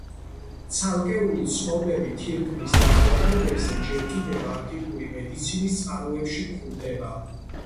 ცალკეული ცნობები თირკმლის დაავადებებზე ჯერ კიდევ ანტიკური მედიცინის წყაროებში გვხვდება.